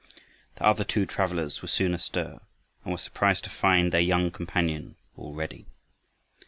The other two travelers were soon astir, and were surprised to find their young companion all ready.